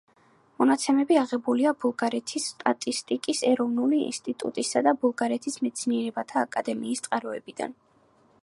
მონაცემები აღებულია ბულგარეთის სტატისტიკის ეროვნული ინსტიტუტისა და ბულგარეთის მეცნიერებათა აკადემიის წყაროებიდან.